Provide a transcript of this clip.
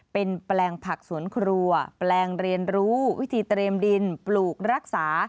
เป็นแปลงผักสวนครัวแปลงเรียนรู้วิธีเตรียมดินปลูกรักษา